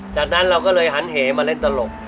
จากนั้นเราก็เลยหันเหมาเล่นตลก